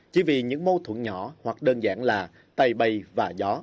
chỉ vì những mâu thuẫn nhỏ hoặc đơn giản là tay bày và gió